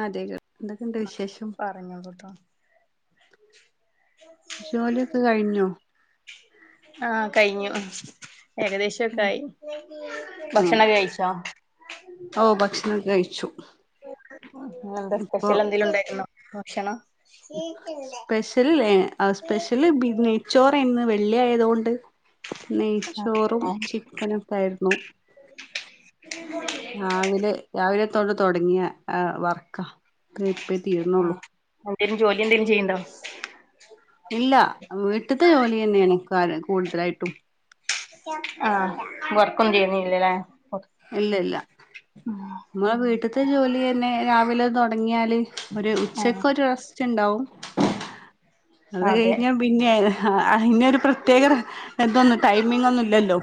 ആഹ് അതേ എന്തൊക്കെണ്ട് വിശേഷം പറഞ്ഞോളു ട്ടോ ജോലിയൊക്കെ കഴിഞ്ഞോ ആഹ് കഴിഞ്ഞു ഏകദേശോക്കാ ആയി ഉം ഭക്ഷണൊക്കെ കഴിച്ചോ ഓ ഭക്ഷണൊക്കെ കഴിച്ചു ഇന്ന് എന്താ ഇപ്പൊ സ്പെഷ്യൽ എന്തേലും ഉണ്ടായിറ്റുണ്ടോ ഭക്ഷണം സ്പെഷ്യൽ ലെ നെയച്ചോറ ഇന്ന് വെള്ളി ആയതുകൊണ്ട്. നെയ്ച്ചോറും ചിക്കനൊക്കെ ആയിരുന്നു. രാവിലെ തോട്ട് തുടങ്ങിയ വർക്ക ഇപ്പേ തീർന്നള്ളൂ. ആഹ് എന്തേലും ജോലി എന്തേലും ചെയിണ്ടോ? ഇല്ല വീട്ട്ത്തെ ജോലിയന്നെണ് കൂടുതലായിട്ടും. ആഹ് വർക്കൊന്നും ചെയ്യുനില്ലലെ? ഇല്ല ഇല്ല നമ്മളെ വീട്ട്ത്തെ ജോലിയന്നെ രാവിലെ തുടങ്ങിയാല് ഒരു ആഹ് ഉച്ചക്കൊ ഒരു റസ്റ്റ് ണ്ടാവും. അത് അതെ കഴിഞ്ഞ പിന്നെ ആയിലെ അയിനൊരു പ്രത്യേക ഇതൊന്നും ടൈമിങ് ഒന്നുംല്ലല്ലോ.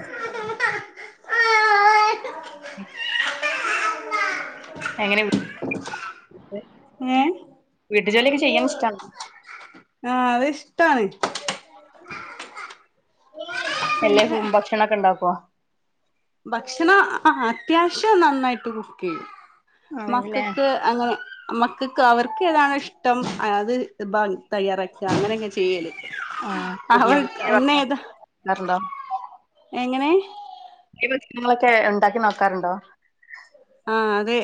എങ്ങനെ ഏഹ് വീട്ട് ജോലിയൊക്കെ ചെയ്യാനിഷ്ടാണ്. ആഹ് അത് ഇഷ്ടാണ് എല്ലേ പിന്നെ ഭക്ഷണൊക്കെ ഉണ്ടാക്കോ? ഭക്ഷണം അത്യാവശ്യം നന്നായിട്ട് കുക്ക് യ്യും ആണ്ല്ലേ മക്കക്ക് അങ്ങനെ മക്കക്ക് അവർക്ക് ഏതാണോ ഇഷ്ടം അത് തയ്യാറാക്കി അങ്ങനെയൊക്കെ ചെയ്യല് അവർ ഇന്ന് ഏതാ ഇന്നർണ്ടോ എങ്ങനെ ഈ ങ്ങളൊക്കെ ഉണ്ടാക്കി നോക്കാറുണ്ടോ ആഹ് അതെ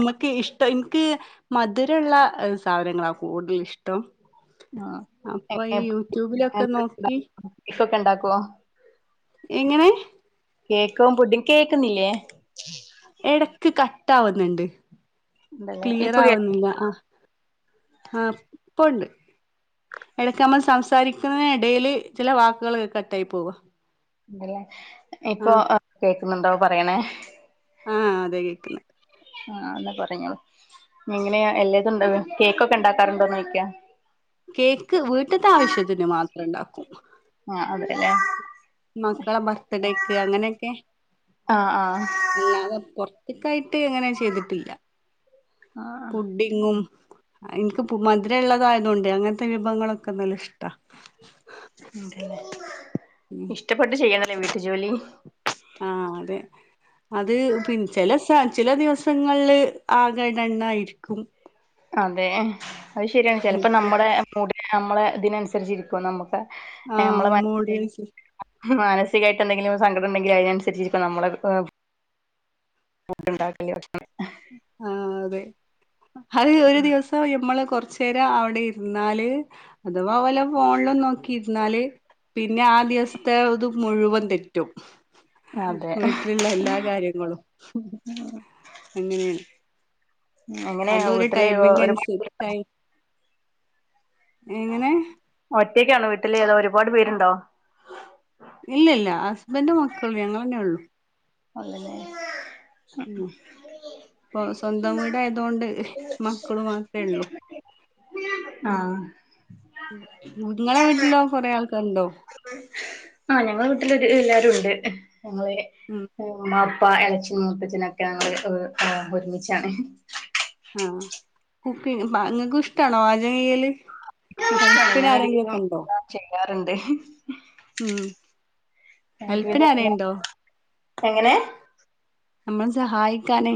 മ്മക്ക് ഇൻക് ഇഷ്ടം ഇൻക് മധുരള്ള സാധനങ്ങളാ കൂടുതൽ ഇഷ്ട്ടം അപ്പൊ ഈ ആഹ് യൂട്യൂബിലൊക്കെ നോക്കി ഇഫ് ഒക്കെ ണ്ടാക്കോ എങ്ങനെ കേക്കും പുഡിങ്ങും കേക്കുന്നില്ലേ ഇടക്ക് കട്ടാവുന്നുണ്ട് ഉണ്ടല്ലേ ക്ലിയർ ഇപ്പൊ കേ ആവുന്നില്ല ആഹ് ആഹ് പ്പോണ്ട് എടക്ക് നമ്മൾ സംസാരിക്കുന്നതിന് ടെല് ചല വാക്കുകൾ കട്ടായി പോവ ഉണ്ടല്ലേ ഇപ്പൊ കേക്കുന്നുണ്ടോ പറയണേ ആഹ് അതെ കേക്കുന്ന് ആഹ് എന്നാ പറഞ്ഞോ ഇങ്ങനെയ എല്ലാരുണ്ടോ കേക്കൊക്കെ ഉണ്ടാക്കാറുണ്ടോ ചോയ്ക്ക കേക്ക് വീട്ടിത്തെ ആവശ്യത്തിന് മാത്രം ഉണ്ടാക്കും ആഹ് അതെലെ മക്കടെ ബർത്ത്ഡേക്ക് അങ്ങനെയൊക്കെ ആഹ് ആഹ് അല്ലാതെ പോറത്തേക്കായിട്ട് അങ്ങനെ ചെയ്തിട്ടില്ല പുഡിങ് ങ്ങും എനിക്ക് മധുരം ഉള്ളതായത് കൊണ്ടേ അങ്ങനത്തെ വിഭവങ്ങളൊക്കെ നല്ല ഇഷ്ടാ ഉം ഉം ഇഷ്ടപെട്ട് ചെയണോലെ വീട്ട് ജോലി ആഹ് അതെ അത് പിന്നെ ചില ദിവസ ചില ദിവസങ്ങളില്ല് ആകെ ഡണ്ണായിരിക്കും അതെ അത് ശരിയാണ് ചിലപ്പോ നമ്മടെ മൂഡിന് നമ്മളെ ഇതിനനുസരിച്ചിരിക്കും നമുക്ക് ആഹ് മൂഡിനനുസരി മാനസികായിട്ട് എന്തെങ്കിലും സങ്കടം ഉണ്ടെങ്കിലും അതിനനുസരിച്ച് ഇപ്പോ നമ്മെടെ ഫുഡ് ഇണ്ടാക്കല് ആഹ് അതെ അത് ഒരു ദിവസം ഇപ്പോൾ നമ്മൾ കുറച്ച് നേരം അവിടെ ഇരുന്നാല് അഥവാ വെല്ലോം ഫോണില് നോക്കിയിരുന്നാല് പിന്നെ ആ ദിവസത്തെ ഇത് മുഴുവൻ തെറ്റും ഭക്ഷണം അതെ വീട്ടിലുള്ള എല്ലാ കാര്യങ്ങളും അങ്ങനെയാണ് എങ്ങനെ അതൊരു വീട്ടില് ടൈമിങ് അനുസരിച്ച് ഒരുപാട് സെറ്റായി എങ്ങനെ ഒറ്റയ്ക്കാണോ വീട്ടിൽ അതോ ഒരുപാട് പേരുണ്ടോ ഇല്ല ഇല്ല ഹസ്ബൻഡ് മക്കൾ ഞങ്ങൾ തന്നെ ഉള്ളു ഒള്ളല്ലേ ഉം ഇപ്പൊ സ്വന്തം വീടായതുണ്ട് മക്കള് മാത്രേ ഉള്ളൂ ആഹ് നിങ്ങളെ വീട്ടിലോ കൊറെ ആൾക്കാർ ഉണ്ടോ ആഹ് ഞങ്ങടെ വീട്ടില്ല് ഒര് എല്ലരുും ഉണ്ട് ഞങ്ങടെ ഉം ബാപ്പ ഇളയാച്ചൻ മൂത്തച്ഛനൊക്കെ ഞങ്ങള് ഒരുമിച്ചാണ് ആഹ് കുക്കിങ് നിങ്ങക്കും ഇഷ്ടാണോ പാചകം ചെയല്ല് ഇഷ്ടാണ് ഹെൽപ്പിന് ഞാനൊരുവിധം ആരെങ്കിലുമൊക്കെ ഉണ്ടോ എല്ലാം ചെയ്യാറുണ്ട് ഉം ഹെൽപ്പിന് ആരെണ്ടോ എങ്ങനെ നമ്മൾ സഹായിക്കാന്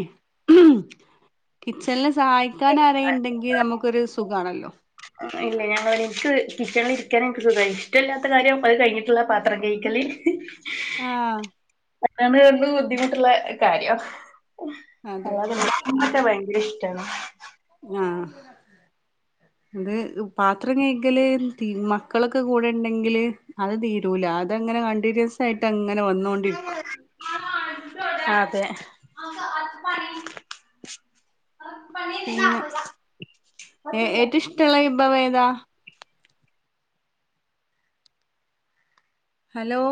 കിച്ചണില് സഹായിക്കാൻ അരുണ്ടെങ്കിൽ നമുക്കൊരു സുഖമാണല്ലോ ഇല്ല ഞാന് എനിക്ക് കിച്ചണിൽ ഇരിക്കാന് ഒക്കെ സുഖമാഎനിക്ക് ഇഷ്ടമില്ലാത്ത കാര്യം അത് കഴിഞ്ഞട്ടുള്ള പത്ര പത്രം കഴുകല്ല് ആഹ് പാത്രം കഴുകല് ബുദ്ധിമുട്ടുള്ള കാര്യം അതെ അല്ലാതെന്താ മീൻ വെട്ടാൻ ഭയങ്കര ഇഷ്ടമാണ് ആഹ് ഇത് പാത്രം കഴുകല്ല് മക്കളൊക്കെ കൂടെ ഉണ്ടെങ്കില് അത് തീരു കിട്ടൂല അതങ്ങനെ കണ്ടിന്യൂസ്സ് ആയിട്ട് അങ്ങനെ വന്നൊണ്ടിരിക്കും അതെ പിന്നെ [unintelligible] ട്ട്ള്ള ഇമ്പമേത ഹലോ